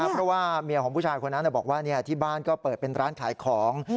เพราะว่าเมียของผู้ชายคนนั้นบอกว่าที่บ้านก็เปิดเป็นร้านขายของ